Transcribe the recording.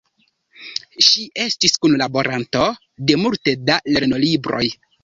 Ŝi estis kunlaboranto de multe da lernolibroj.